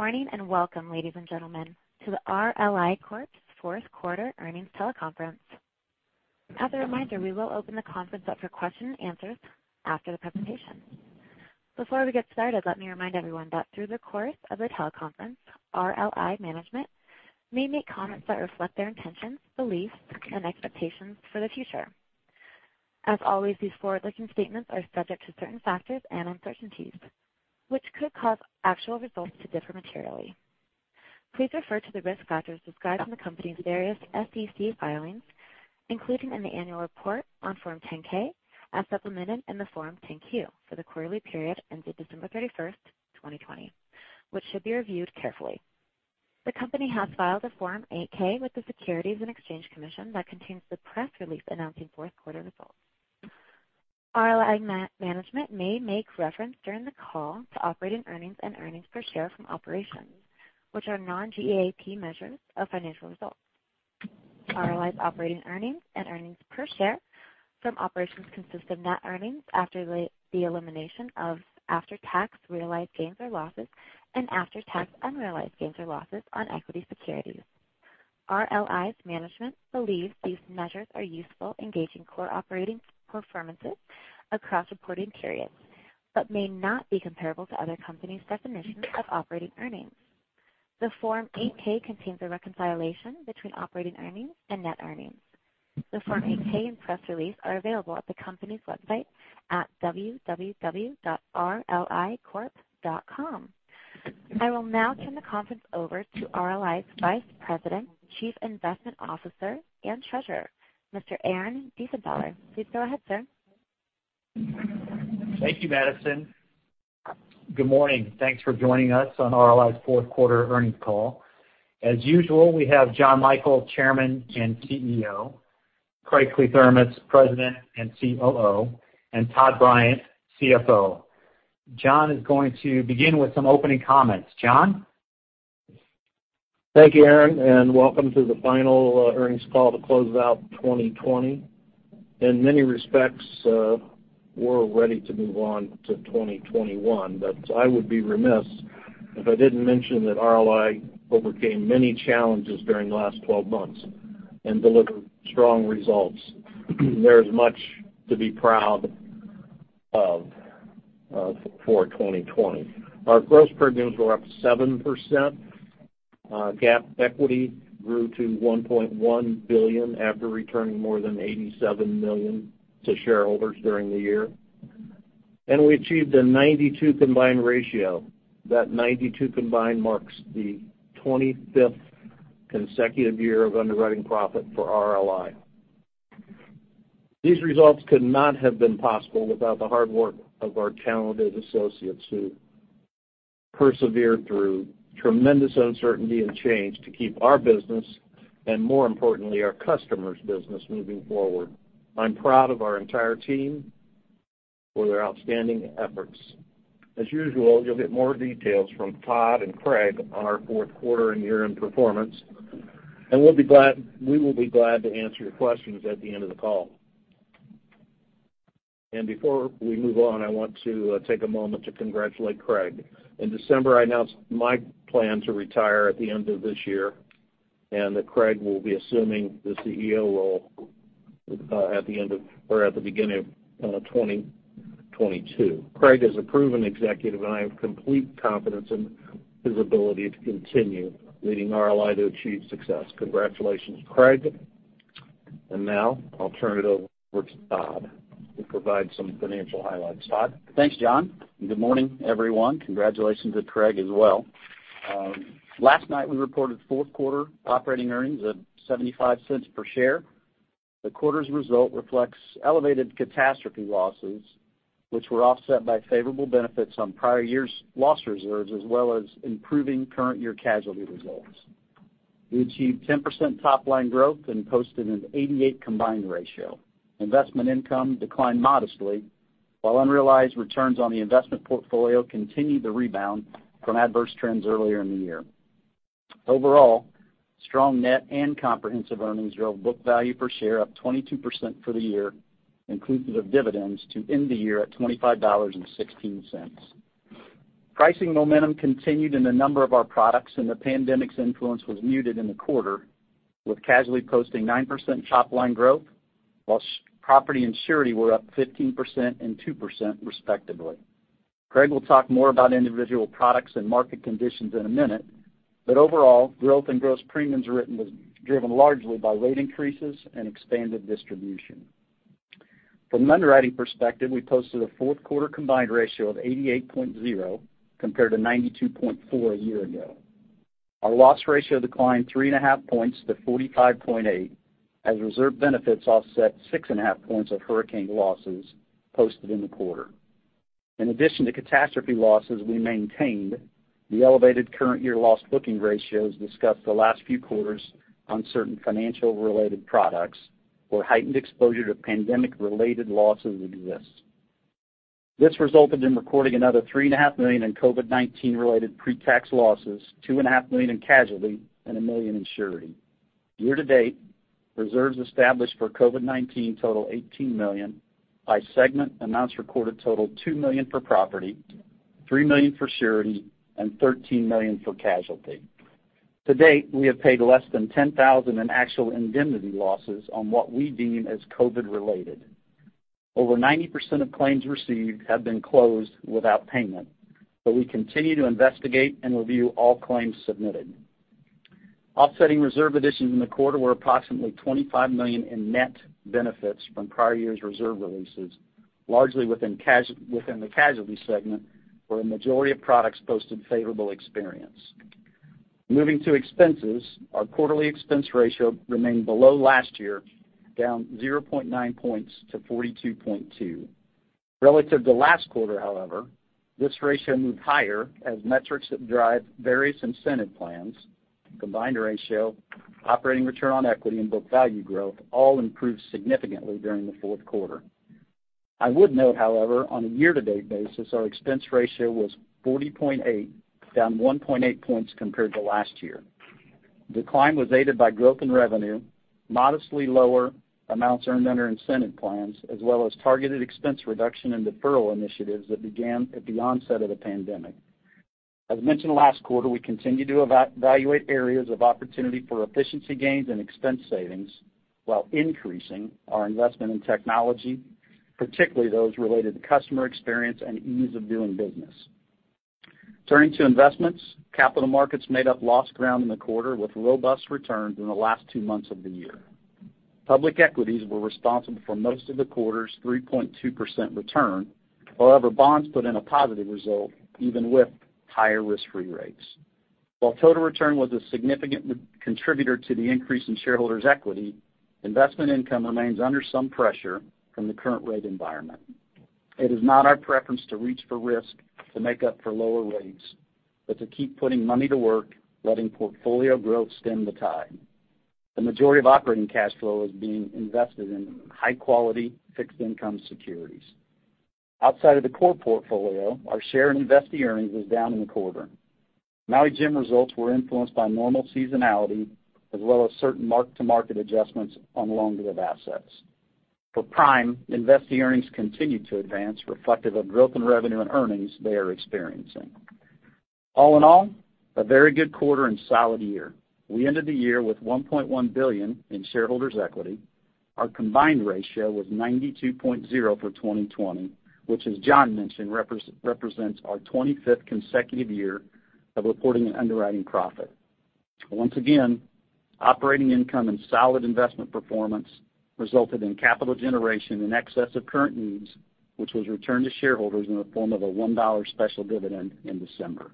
Morning, and welcome, ladies and gentlemen, to the RLI Corp.'s fourth quarter earnings teleconference. As a reminder, we will open the conference up for question and answers after the presentation. Before we get started, let me remind everyone that through the course of the teleconference, RLI management may make comments that reflect their intentions, beliefs, and expectations for the future. As always, these forward-looking statements are subject to certain factors and uncertainties, which could cause actual results to differ materially. Please refer to the risk factors described in the company's various SEC filings, including in the annual report on Form 10-K as supplemented in the Form 10-Q for the quarterly period ended December 31st, 2020, which should be reviewed carefully. The company has filed a Form 8-K with the Securities and Exchange Commission that contains the press release announcing fourth quarter results. RLI management may make reference during the call to operating earnings and earnings per share from operations, which are non-GAAP measures of financial results. RLI's operating earnings and earnings per share from operations consist of net earnings after the elimination of after-tax realized gains or losses and after-tax unrealized gains or losses on equity securities. RLI's management believes these measures are useful in gauging core operating performances across reporting periods but may not be comparable to other companies' definitions of operating earnings. The Form 8-K contains a reconciliation between operating earnings and net earnings. The Form 8-K and press release are available at the company's website at www.rlicorp.com. I will now turn the conference over to RLI's Vice President, Chief Investment Officer, and Treasurer, Mr. Aaron Diefenthaler. Please go ahead, sir. Thank you, Madison. Good morning. Thanks for joining us on RLI's fourth quarter earnings call. As usual, we have Jonathan Michael, Chairman and CEO, Craig Kliethermes, President and COO, and Todd Bryant, CFO. John is going to begin with some opening comments. John? Thank you, Aaron. Welcome to the final earnings call to close out 2020. In many respects, we're ready to move on to 2021, but I would be remiss if I didn't mention that RLI overcame many challenges during the last 12 months and delivered strong results. There is much to be proud of for 2020. Our gross premiums were up 7%. GAAP equity grew to $1.1 billion after returning more than $87 million to shareholders during the year. We achieved a 92 combined ratio. That 92 combined marks the 25th consecutive year of underwriting profit for RLI. These results could not have been possible without the hard work of our talented associates who persevered through tremendous uncertainty and change to keep our business, and more importantly, our customers' business, moving forward. I'm proud of our entire team for their outstanding efforts. As usual, you'll get more details from Todd and Craig on our fourth quarter and year-end performance. We will be glad to answer your questions at the end of the call. Before we move on, I want to take a moment to congratulate Craig. In December, I announced my plan to retire at the end of this year, and that Craig will be assuming the CEO role at the beginning of 2022. Craig is a proven executive, and I have complete confidence in his ability to continue leading RLI to achieve success. Congratulations, Craig. Now I'll turn it over to Todd to provide some financial highlights. Todd? Thanks, Jon. Good morning, everyone. Congratulations to Craig as well. Last night, we reported fourth quarter operating earnings of $0.75 per share. The quarter's result reflects elevated catastrophe losses, which were offset by favorable benefits on prior years' loss reserves, as well as improving current year casualty results. We achieved 10% top-line growth and posted an 88 combined ratio. Investment income declined modestly, while unrealized returns on the investment portfolio continued to rebound from adverse trends earlier in the year. Overall, strong net and comprehensive earnings drove book value per share up 22% for the year, inclusive of dividends, to end the year at $25.16. Pricing momentum continued in a number of our products, and the pandemic's influence was muted in the quarter, with casualty posting 9% top-line growth, while property and surety were up 15% and 2% respectively. Craig will talk more about individual products and market conditions in a minute, but overall, growth and gross premiums written was driven largely by rate increases and expanded distribution. From an underwriting perspective, we posted a fourth quarter combined ratio of 88.0 compared to 92.4 a year ago. Our loss ratio declined three and a half points to 45.8 as reserve benefits offset six and a half points of hurricane losses posted in the quarter. In addition to catastrophe losses, we maintained the elevated current year loss booking ratios discussed the last few quarters on certain financial related products where heightened exposure to pandemic related losses exists. This resulted in recording another $three and a half million in COVID-19 related pretax losses, $two and a half million in casualty, and $1 million in surety. Year-to-date, reserves established for COVID-19 total $18 million. By segment, amounts recorded total $2 million for property, $3 million for surety, and $13 million for casualty. To date, we have paid less than $10,000 in actual indemnity losses on what we deem as COVID related. Over 90% of claims received have been closed without payment, but we continue to investigate and review all claims submitted. Offsetting reserve additions in the quarter were approximately $25 million in net benefits from prior years reserve releases, largely within the casualty segment, where a majority of products posted favorable experience. Moving to expenses, our quarterly expense ratio remained below last year, down 0.9 points to 42.2. Relative to last quarter, however, this ratio moved higher as metrics that drive various incentive plans, combined ratio, operating return on equity, and book value growth all improved significantly during the fourth quarter. I would note, however, on a year-to-date basis, our expense ratio was 40.8, down 1.8 points compared to last year. The decline was aided by growth in revenue, modestly lower amounts earned under incentive plans, as well as targeted expense reduction and deferral initiatives that began at the onset of the pandemic. As mentioned last quarter, we continue to evaluate areas of opportunity for efficiency gains and expense savings while increasing our investment in technology, particularly those related to customer experience and ease of doing business. Turning to investments, capital markets made up lost ground in the quarter with robust returns in the last two months of the year. Public equities were responsible for most of the quarter's 3.2% return. However, bonds put in a positive result even with higher risk-free rates. While total return was a significant contributor to the increase in shareholders' equity, investment income remains under some pressure from the current rate environment. It is not our preference to reach for risk to make up for lower rates, but to keep putting money to work, letting portfolio growth stem the tide. The majority of operating cash flow is being invested in high-quality fixed income securities. Outside of the core portfolio, our share in investee earnings was down in the quarter. Maui Jim results were influenced by normal seasonality as well as certain mark-to-market adjustments on longer-lived assets. For Prime, investee earnings continued to advance, reflective of growth in revenue and earnings they are experiencing. All in all, a very good quarter and solid year. We ended the year with $1.1 billion in shareholders' equity. Our combined ratio was 92.0 for 2020, which, as Jon mentioned, represents our 25th consecutive year of reporting an underwriting profit. Once again, operating income and solid investment performance resulted in capital generation in excess of current needs, which was returned to shareholders in the form of a $1 special dividend in December.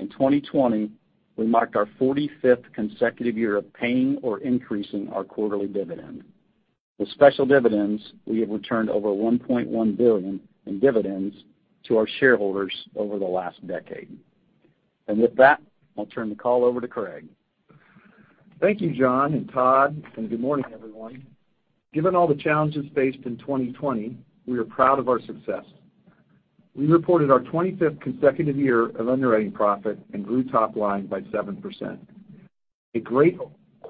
In 2020, we marked our 45th consecutive year of paying or increasing our quarterly dividend. With special dividends, we have returned over $1.1 billion in dividends to our shareholders over the last decade. With that, I'll turn the call over to Craig. Thank you, Jon and Todd, good morning, everyone. Given all the challenges faced in 2020, we are proud of our success. We reported our 25th consecutive year of underwriting profit and grew top line by 7%. A great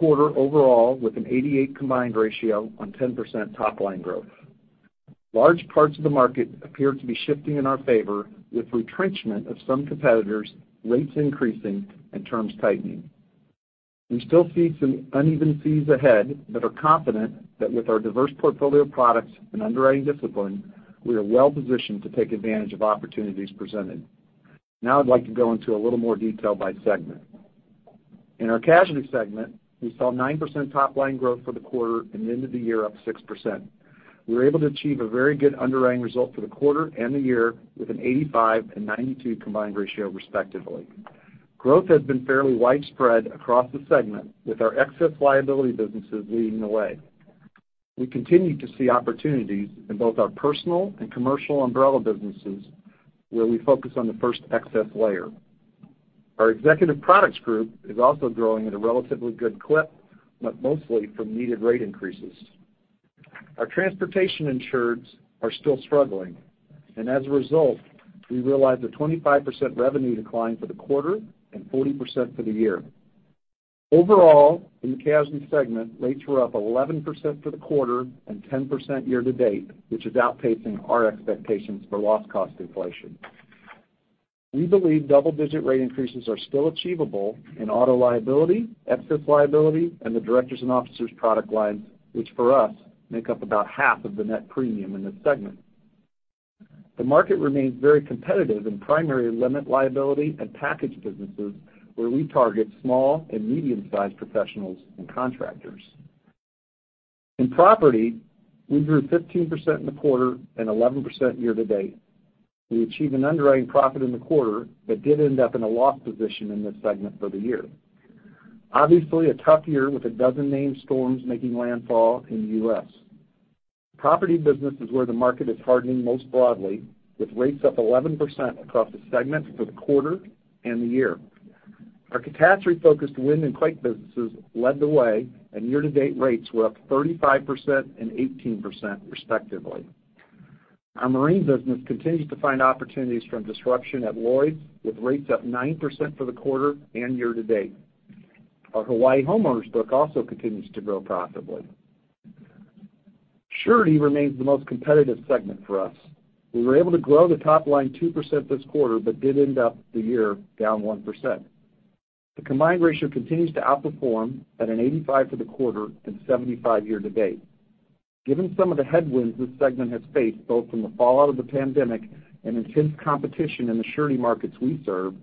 quarter overall with an 88 combined ratio on 10% top-line growth. Large parts of the market appear to be shifting in our favor, with retrenchment of some competitors, rates increasing, and terms tightening. We still see some uneven seas ahead, but are confident that with our diverse portfolio of products and underwriting discipline, we are well-positioned to take advantage of opportunities presented. Now I'd like to go into a little more detail by segment. In our casualty segment, we saw 9% top-line growth for the quarter and ended the year up 6%. We were able to achieve a very good underwriting result for the quarter and the year with an 85 and 92 combined ratio respectively. Growth has been fairly widespread across the segment, with our excess liability businesses leading the way. We continue to see opportunities in both our personal and Commercial Umbrella businesses, where we focus on the first excess layer. Our executive products group is also growing at a relatively good clip, but mostly from needed rate increases. Our transportation insureds are still struggling. As a result, we realized a 25% revenue decline for the quarter and 40% for the year. Overall, in the casualty segment, rates were up 11% for the quarter and 10% year-to-date, which is outpacing our expectations for loss cost inflation. We believe double-digit rate increases are still achievable in auto liability, excess liability, and the directors' and officers' product lines, which for us make up about half of the net premium in this segment. The market remains very competitive in primary limit liability and package businesses where we target small and medium-sized professionals and contractors. In property, we grew 15% in the quarter and 11% year-to-date. We achieved an underwriting profit in the quarter but did end up in a loss position in this segment for the year. Obviously, a tough year with a dozen named storms making landfall in the U.S. Property business is where the market is hardening most broadly, with rates up 11% across the segment for the quarter and the year. Our catastrophe-focused wind and quake businesses led the way, and year-to-date rates were up 35% and 18% respectively. Our marine business continues to find opportunities from disruption at Lloyd's, with rates up 9% for the quarter and year-to-date. Our Hawaii homeowners book also continues to grow profitably. Surety remains the most competitive segment for us. We were able to grow the top line 2% this quarter, but did end up the year down 1%. The combined ratio continues to outperform at an 85 for the quarter and 75 year-to-date. Given some of the headwinds this segment has faced, both from the fallout of the pandemic and intense competition in the surety markets we serve,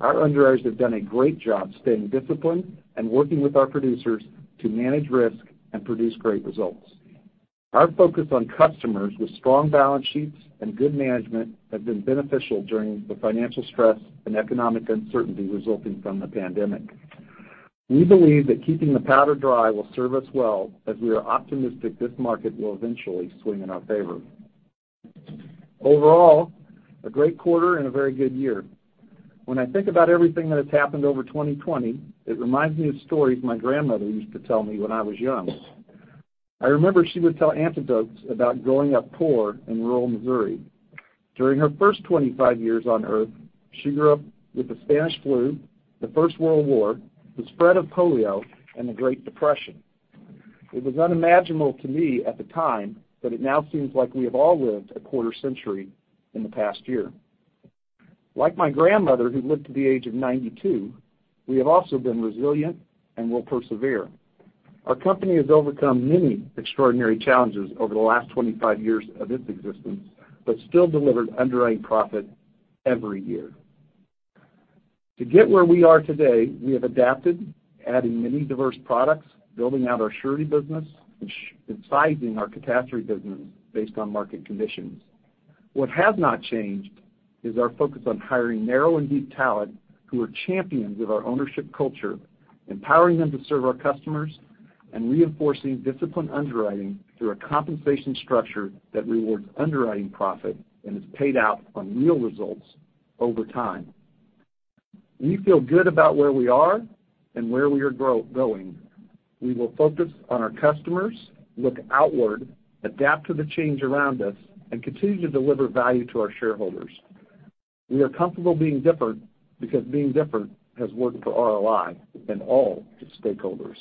our underwriters have done a great job staying disciplined and working with our producers to manage risk and produce great results. Our focus on customers with strong balance sheets and good management has been beneficial during the financial stress and economic uncertainty resulting from the pandemic. We believe that keeping the powder dry will serve us well, as we are optimistic this market will eventually swing in our favor. Overall, a great quarter and a very good year. When I think about everything that has happened over 2020, it reminds me of stories my grandmother used to tell me when I was young. I remember she would tell anecdotes about growing up poor in rural Missouri. During her first 25 years on Earth, she grew up with the Spanish flu, the First World War, the spread of polio, and the Great Depression. It was unimaginable to me at the time, but it now seems like we have all lived a quarter century in the past year. Like my grandmother, who lived to the age of 92, we have also been resilient and will persevere. Our company has overcome many extraordinary challenges over the last 25 years of its existence, but still delivered underwriting profit every year. To get where we are today, we have adapted, adding many diverse products, building out our surety business, and sizing our catastrophe business based on market conditions. What has not changed is our focus on hiring narrow and deep talent who are champions of our ownership culture, empowering them to serve our customers, and reinforcing disciplined underwriting through a compensation structure that rewards underwriting profit and is paid out on real results over time. We feel good about where we are and where we are going. We will focus on our customers, look outward, adapt to the change around us, and continue to deliver value to our shareholders. We are comfortable being different, because being different has worked for RLI and all its stakeholders.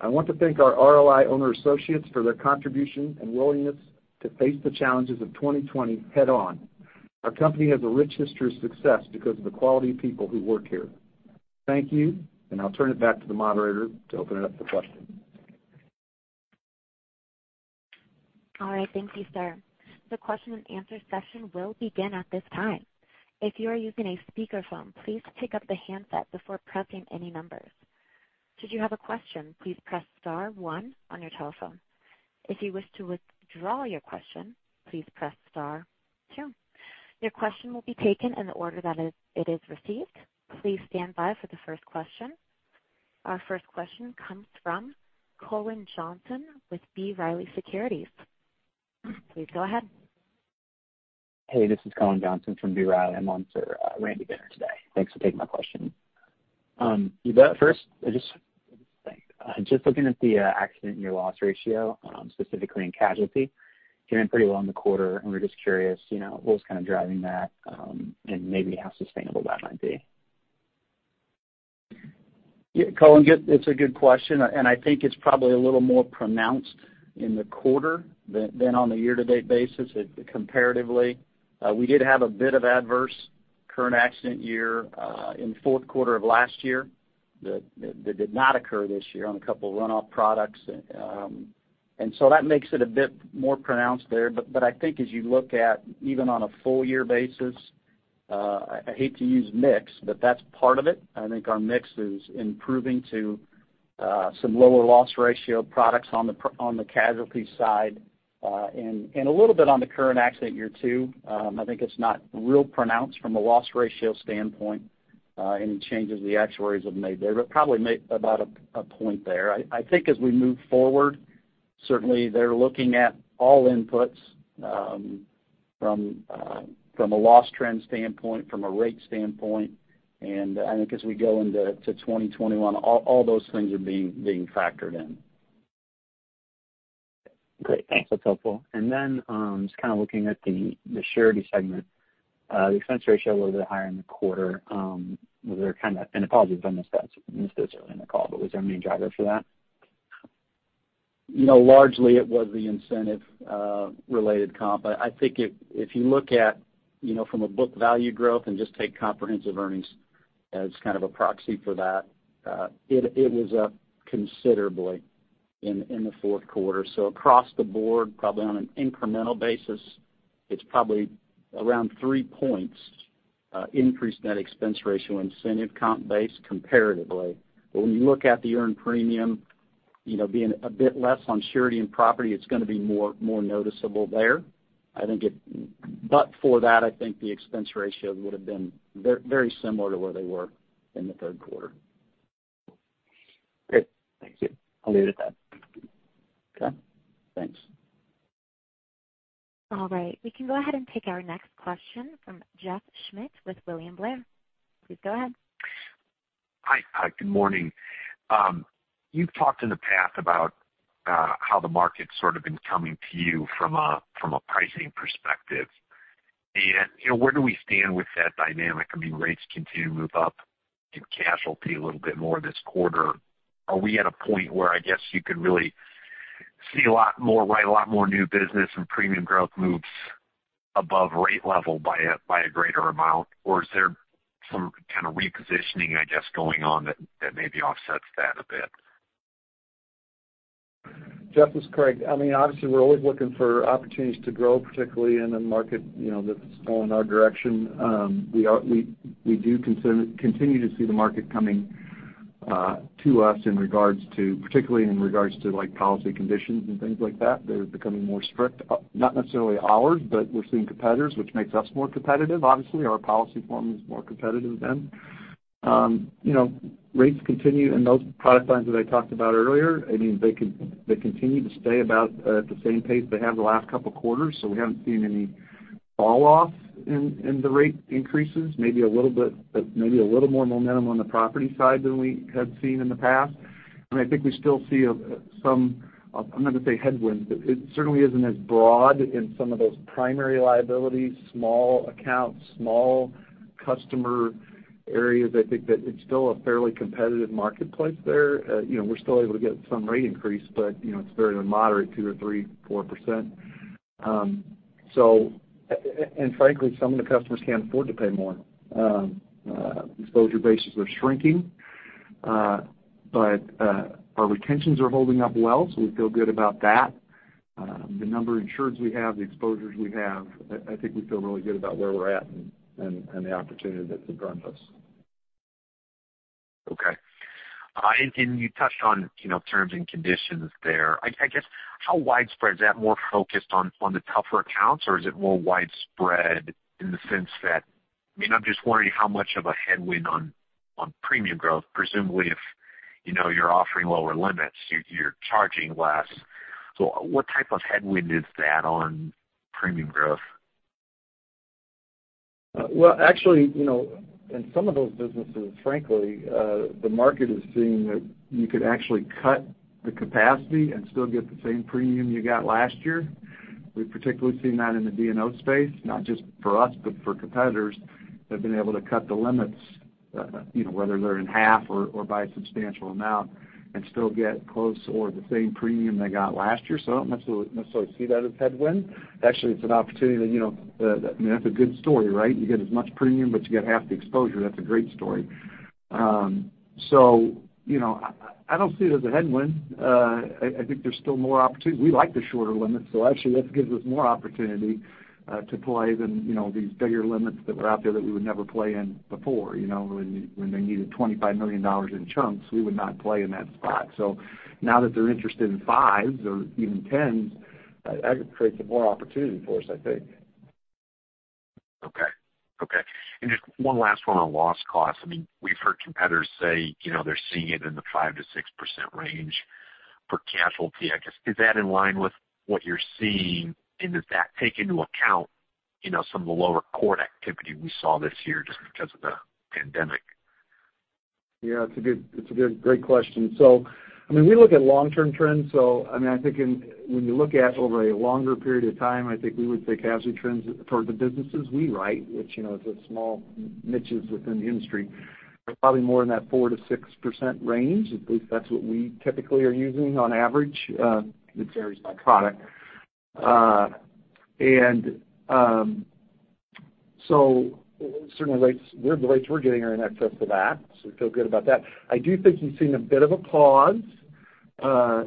I want to thank our RLI owner associates for their contribution and willingness to face the challenges of 2020 head on. Our company has a rich history of success because of the quality of people who work here. Thank you, I'll turn it back to the moderator to open it up to questions. All right. Thank you, sir. The question and answer session will begin at this time. If you are using a speakerphone, please pick up the handset before pressing any numbers. Should you have a question, please press star one on your telephone. If you wish to withdraw your question, please press star two. Your question will be taken in the order that it is received. Please stand by for the first question. Our first question comes from Cullen Johnson with B. Riley Securities. Please go ahead. Hey, this is Cullen Johnson from B. Riley. I'm on for Randy Binner today. Thanks for taking my question. First, just looking at the accident and year loss ratio, specifically in casualty, doing pretty well in the quarter, we're just curious what's kind of driving that, maybe how sustainable that might be. Yeah, Cullen, it's a good question. I think it's probably a little more pronounced in the quarter than on the year-to-date basis comparatively. We did have a bit of adverse current accident year in the fourth quarter of last year that did not occur this year on a couple runoff products. So that makes it a bit more pronounced there. I think as you look at, even on a full-year basis, I hate to use mix, but that's part of it. I think our mix is improving to some lower loss ratio products on the casualty side, and a little bit on the current accident year, too. I think it's not real pronounced from a loss ratio standpoint, any changes the actuaries have made there, but probably about a point there. I think as we move forward, certainly they're looking at all inputs, from a loss trend standpoint, from a rate standpoint, and I think as we go into 2021, all those things are being factored in. Great. Thanks. That's helpful. Just kind of looking at the surety segment. The expense ratio a little bit higher in the quarter, a positive on this, that you mentioned this earlier in the call, but was there a main driver for that? Largely, it was the incentive related comp. I think if you look at from a book value growth and just take comprehensive earnings as kind of a proxy for that, it was up considerably in the fourth quarter. Across the board, probably on an incremental basis, it's probably around three points increase to that expense ratio incentive comp base comparatively. When you look at the earned premium being a bit less on surety and property, it's going to be more noticeable there. For that, I think the expense ratio would have been very similar to where they were in the third quarter. Great. Thank you. I'll leave it at that. Okay. Thanks. All right. We can go ahead and take our next question from Jeff Schmitt with William Blair. Please go ahead. Hi. Good morning. You've talked in the past about how the market's sort of been coming to you from a pricing perspective. Where do we stand with that dynamic? Rates continue to move up in casualty a little bit more this quarter. Are we at a point where, I guess, you could really see a lot more new business and premium growth moves above rate level by a greater amount? Or is there some kind of repositioning, I guess, going on that maybe offsets that a bit? Jeff, this is Craig. Obviously, we're always looking for opportunities to grow, particularly in a market that's going our direction. We do continue to see the market coming to us, particularly in regards to policy conditions and things like that. They're becoming more strict. Not necessarily ours, but we're seeing competitors, which makes us more competitive. Obviously, our policy form is more competitive than. Rates continue in those product lines that I talked about earlier. They continue to stay about at the same pace they have the last couple of quarters, so we haven't seen any fall-off in the rate increases. Maybe a little more momentum on the property side than we had seen in the past. I think we still see some, I'm not going to say headwinds, but it certainly isn't as broad in some of those primary liabilities, small accounts, small customer areas. I think that it's still a fairly competitive marketplace there. We're still able to get some rate increase, but it's very moderate, 2% or 3%, 4%. Frankly, some of the customers can't afford to pay more. Exposure bases are shrinking. Our retentions are holding up well, so we feel good about that. The number of insureds we have, the exposures we have, I think we feel really good about where we're at and the opportunity that's in front of us. Okay. You touched on terms and conditions there. I guess, how widespread, is that more focused on the tougher accounts, or is it more widespread in the sense that I'm just wondering how much of a headwind on premium growth, presumably if you're offering lower limits, you're charging less. What type of headwind is that on premium growth? Well, actually, in some of those businesses, frankly, the market is seeing that you could actually cut the capacity and still get the same premium you got last year. We've particularly seen that in the D&O space, not just for us, but for competitors. They've been able to cut the limits, whether they're in half or by a substantial amount, and still get close or the same premium they got last year. I don't necessarily see that as headwind. Actually, it's an opportunity. That's a good story. You get as much premium, but you get half the exposure. That's a great story. I don't see it as a headwind. I think there's still more opportunity. We like the shorter limits, so actually that gives us more opportunity to play than these bigger limits that were out there that we would never play in before. When they needed $25 million in chunks, we would not play in that spot. Now that they're interested in fives or even tens, that creates more opportunity for us, I think. Okay. Just one last one on loss cost. We've heard competitors say they're seeing it in the 5%-6% range for casualty. I guess, is that in line with what you're seeing, and does that take into account some of the lower court activity we saw this year just because of the pandemic? Yeah, it's a great question. We look at long-term trends. I think when you look at over a longer period of time, I think we would say casualty trends toward the businesses we write, which is the small niches within the industry. They're probably more in that 4%-6% range. At least that's what we typically are using on average. It varies by product. Certainly the rates we're getting are in excess of that, so we feel good about that. I do think you've seen a bit of a pause.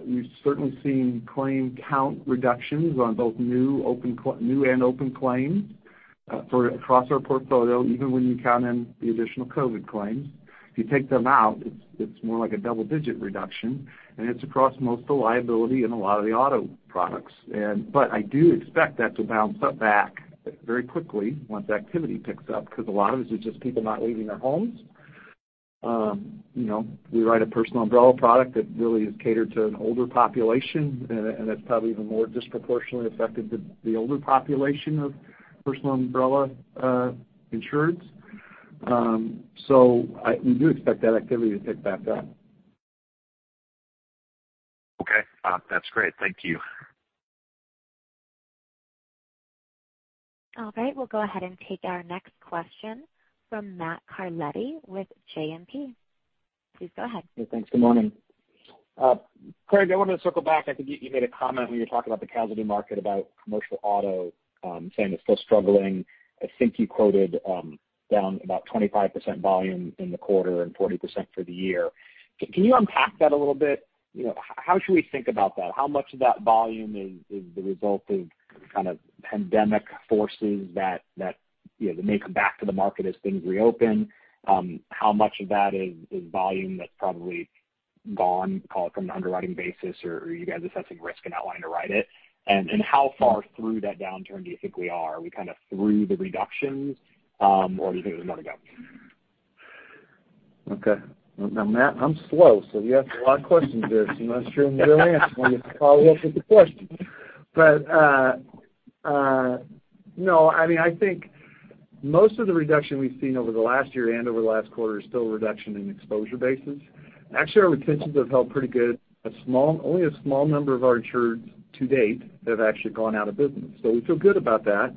We've certainly seen claim count reductions on both new and open claims across our portfolio, even when you count in the additional COVID claims. If you take them out, it's more like a double-digit reduction, and it's across most of the liability and a lot of the auto products. I do expect that to bounce up back very quickly once activity picks up, because a lot of it is just people not leaving their homes. We write a personal umbrella product that really is catered to an older population, and that's probably even more disproportionately affected the older population of personal umbrella insureds. We do expect that activity to pick back up. Okay. That's great. Thank you. All right. We'll go ahead and take our next question from Matt Carletti with JMP. Please go ahead. Yeah, thanks. Good morning. Craig, I wanted to circle back. I think you made a comment when you were talking about the casualty market, about commercial auto, saying it's still struggling. I think you quoted down about 25% volume in the quarter and 40% for the year. Can you unpack that a little bit? How should we think about that? How much of that volume is the result of pandemic forces that may come back to the market as things reopen? How much of that is volume that's probably gone from an underwriting basis, or are you guys assessing risk and not wanting to write it? How far through that downturn do you think we are? Are we through the reductions, or do you think there's more to go? Okay. Matt, I'm slow, you asked a lot of questions there. I'm not sure I'm going to answer them all. You have to follow up with the questions. No. I think most of the reduction we've seen over the last year and over the last quarter is still a reduction in exposure bases. Actually, our retentions have held pretty good. Only a small number of our insureds to date have actually gone out of business. We feel good about that.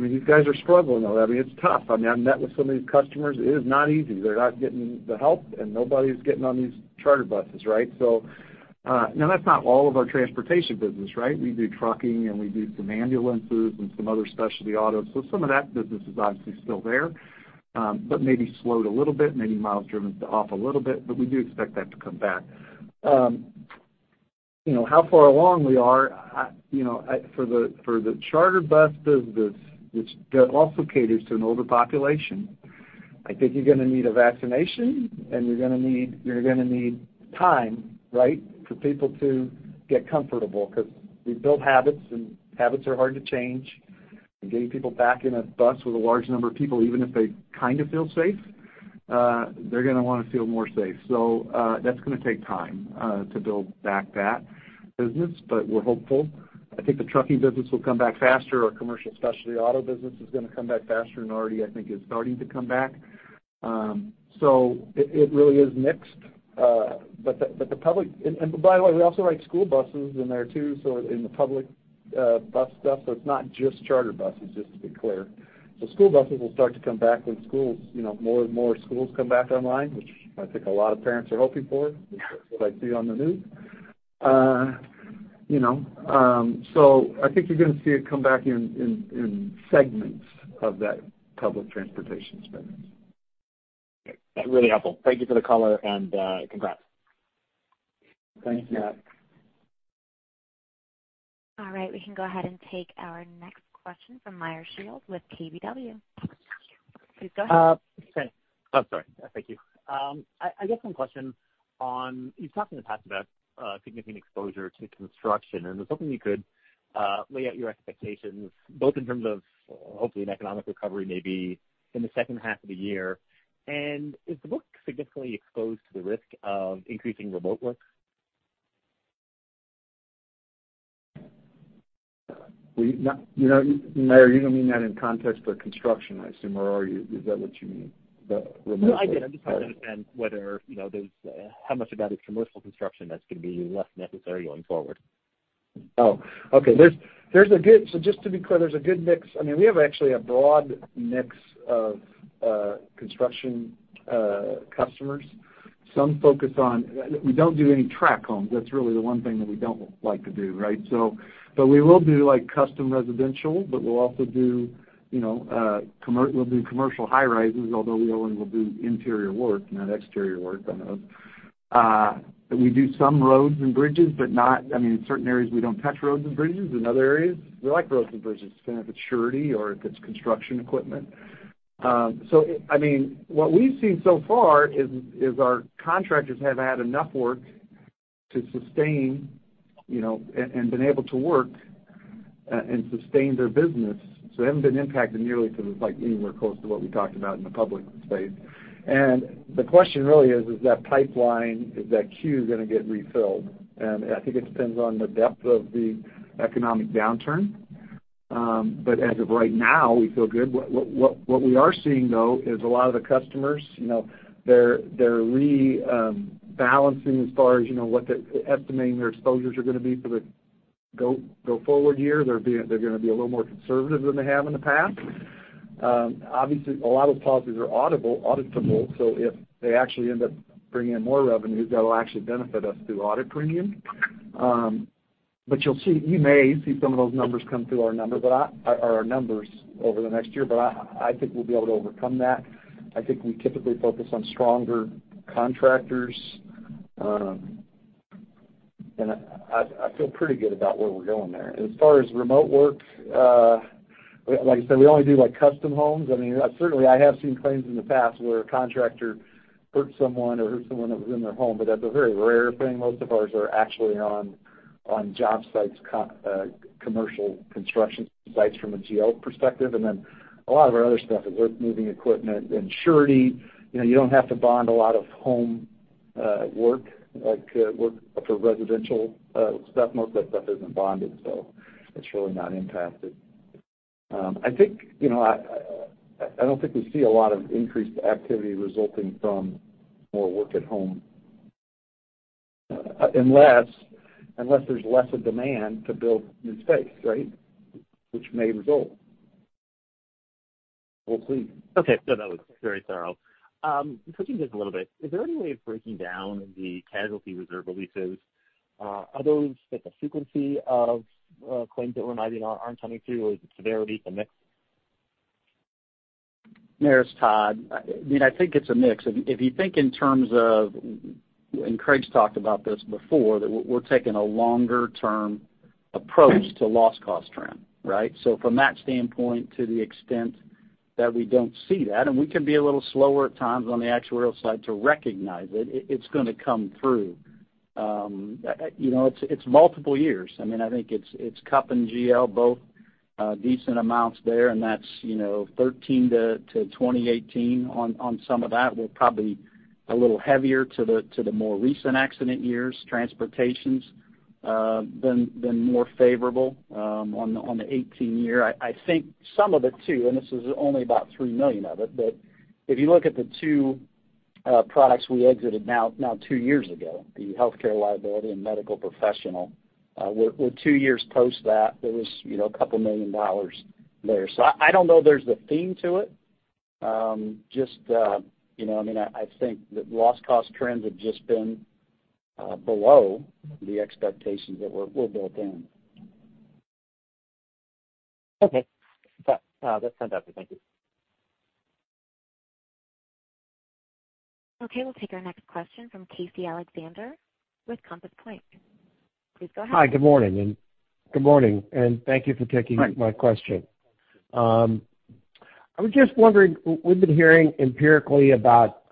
These guys are struggling, though. It's tough. I've met with some of these customers. It is not easy. They're not getting the help, nobody's getting on these charter buses, right? That's not all of our transportation business, right? We do trucking and we do some ambulances and some other specialty autos. Some of that business is obviously still there. Maybe slowed a little bit, maybe miles driven off a little bit, we do expect that to come back. How far along we are? For the charter bus business, which also caters to an older population, I think you're going to need a vaccination, and you're going to need time, right? For people to get comfortable, because we've built habits, and habits are hard to change. Getting people back in a bus with a large number of people, even if they kind of feel safe, they're going to want to feel more safe. That's going to take time to build back that business, but we're hopeful. I think the trucking business will come back faster. Our commercial specialty auto business is going to come back faster, and already, I think, is starting to come back. It really is mixed. By the way, we also write school buses in there too, so in the public bus stuff, so it's not just charter buses, just to be clear. School buses will start to come back when more and more schools come back online, which I think a lot of parents are hoping for, from what I see on the news. I think you're going to see it come back in segments of that public transportation space. Great. Really helpful. Thank you for the color and congrats. Thank you. All right. We can go ahead and take our next question from Meyer Shields with KBW. Please go ahead. Okay. Oh, sorry. Thank you. I guess some questions on, you've talked in the past about significant exposure to construction, and I was hoping you could lay out your expectations, both in terms of hopefully an economic recovery maybe in the second half of the year. Is the book significantly exposed to the risk of increasing remote work? Meyer, you don't mean that in context for construction, I assume, or is that what you mean, the remote work? No, I did. I'm just trying to understand how much of that is commercial construction that's going to be less necessary going forward. Oh, okay. Just to be clear, there's a good mix. We have actually a broad mix of construction customers. We don't do any track homes. That's really the one thing that we don't like to do, right? We will do custom residential, but we'll do commercial high-rises, although we only will do interior work, not exterior work on those. We do some roads and bridges. I mean, in certain areas, we don't touch roads and bridges. In other areas, we like roads and bridges, kind of if it's surety or if it's construction equipment. What we've seen so far is our contractors have had enough work to sustain, and been able to work and sustain their business. They haven't been impacted nearly to anywhere close to what we talked about in the public space. The question really is that pipeline, is that queue going to get refilled? I think it depends on the depth of the economic downturn. As of right now, we feel good. What we are seeing, though, is a lot of the customers, they're rebalancing as far as estimating their exposures are going to be for the go forward year. They're going to be a little more conservative than they have in the past. Obviously, a lot of the policies are auditable, so if they actually end up bringing in more revenues, that'll actually benefit us through audit premium. You may see some of those numbers come through our numbers over the next year, but I think we'll be able to overcome that. I think we typically focus on stronger contractors. I feel pretty good about where we're going there. As far as remote work, like I said, we only do custom homes. Certainly, I have seen claims in the past where a contractor hurt someone or hurt someone that was in their home, but that's a very rare thing. Most of ours are actually on job sites, commercial construction sites from a GL perspective. A lot of our other stuff is worth moving equipment and surety. You don't have to bond a lot of home work, like work for residential stuff. Most of that stuff isn't bonded, so it's really not impacted. I don't think we see a lot of increased activity resulting from more work at home. Unless there's less of demand to build new space, right? Which may result, hopefully. Okay. No, that was very thorough. Switching gears a little bit, is there any way of breaking down the casualty reserve releases? Are those just the frequency of claims that were not in or aren't coming through, or is it severity? It's a mix? Here's Todd. I think it's a mix. If you think in terms of, and Craig's talked about this before, that we're taking a longer-term approach to loss cost trend, right? From that standpoint, to the extent that we don't see that, and we can be a little slower at times on the actuarial side to recognize it's going to come through. It's multiple years. I think it's CUP and GL, both decent amounts there, and that's 13 to 2018 on some of that. We're probably a little heavier to the more recent accident years. Transportation's than more favorable on the 2018 year. I think some of it too, and this is only about $3 million of it, but if you look at the two products we exited now two years ago, the healthcare liability and medical professional, we're two years post that. There was a couple million dollars there. I don't know there's a theme to it. Just, I think that loss cost trends have just been below the expectations that were built in. Okay. That's fine, Todd. Thank you. Okay, we'll take our next question from Casey Alexander with Compass Point. Please go ahead. Hi, good morning, and thank you for taking my question. Hi. I was just wondering, we've been hearing empirically about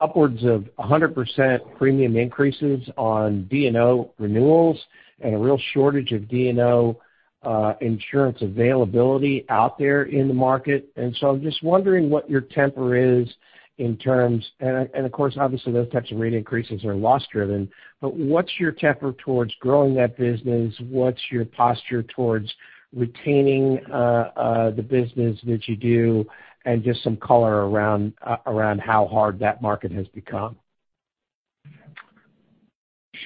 upwards of 100% premium increases on D&O renewals and a real shortage of D&O insurance availability out there in the market. I'm just wondering what your temper is. Of course, obviously, those types of rate increases are loss-driven. What's your temper towards growing that business? What's your posture towards retaining the business that you do? Just some color around how hard that market has become.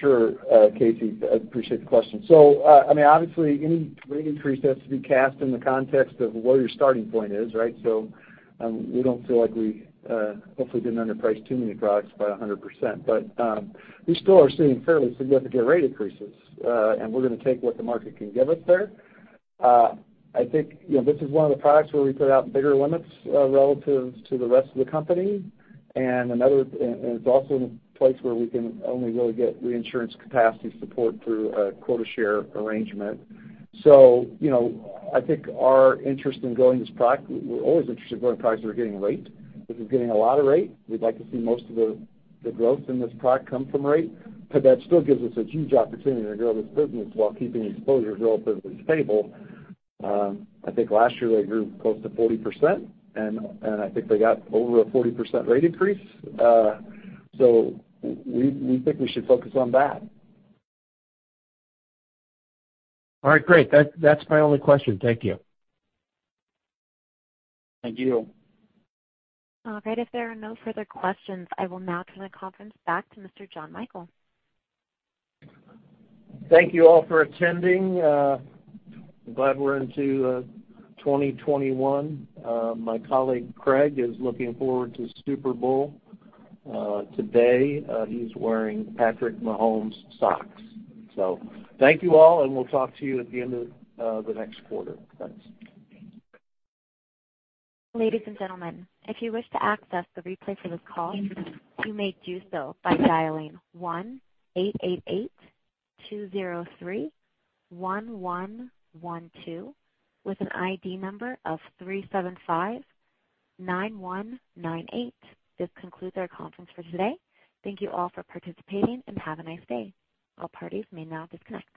Sure. Casey, I appreciate the question. Obviously, any rate increase has to be cast in the context of what your starting point is, right? We don't feel like we, hopefully, didn't underprice too many products by 100%, but we still are seeing fairly significant rate increases. We're going to take what the market can give us there. I think this is one of the products where we put out bigger limits, relative to the rest of the company, and it's also in a place where we can only really get reinsurance capacity support through a quota share arrangement. I think our interest in growing this product, we're always interested in growing products that are getting rate. This is getting a lot of rate. We'd like to see most of the growth in this product come from rate. That still gives us a huge opportunity to grow this business while keeping the exposure relatively stable. I think last year they grew close to 40%, and I think they got over a 40% rate increase. We think we should focus on that. All right, great. That's my only question. Thank you. Thank you. All right. If there are no further questions, I will now turn the conference back to Mr. Jonathan Michael. Thank you all for attending. I'm glad we're into 2021. My colleague, Craig, is looking forward to Super Bowl. Today, he's wearing Patrick Mahomes socks. Thank you all, and we'll talk to you at the end of the next quarter. Thanks. Ladies and gentlemen, if you wish to access the replay for this call, you may do so by dialing 1-888-203-1112 with an ID number of 3759198. This concludes our conference for today. Thank you all for participating, and have a nice day. All parties may now disconnect.